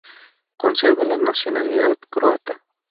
Conserva la nacionalidad croata.